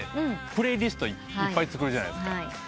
プレイリストいっぱい作るじゃないですか。